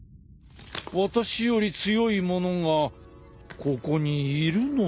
私より強い者がここにいるのですかぁ？